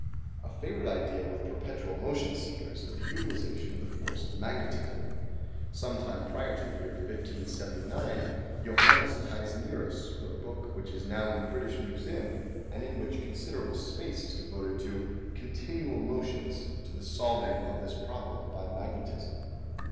A favorite idea with perpetual motion seekers is the utilization of the force of magnetism. Some time prior to the year 1579, Joannes Taisnierus wrote a book which is now in the British Museum and in which considerable space is devoted to " Continual Motions " and to the solving of this problem by magnetism.